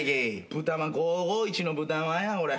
豚まん５５１の豚まんやこれ。